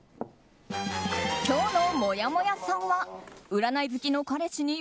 今日もやもやさんは占い好きの彼氏に